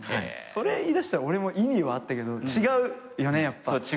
それ言いだしたら俺も意味はあったけど違うよね。